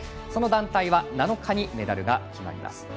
その団体は７日にメダルが決まります。